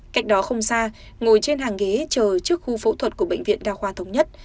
cách đó không xa ngồi trên hàng ghế chờ trước khu phẫu thuật của bệnh viện đa khoa thống nhất